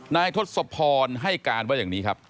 ทศพรให้การว่าอย่างนี้ครับ